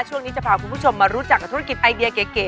ช่วงนี้จะพาคุณผู้ชมมารู้จักกับธุรกิจไอเดียเก๋